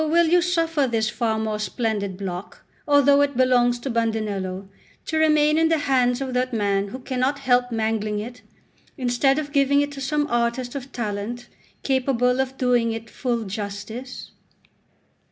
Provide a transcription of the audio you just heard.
will you suffer this far more splendid block, although it belongs to Bandinello, to remain in the hands of that man who cannot help mangling it, instead of giving it to some artist of talent capable of doing it full justice?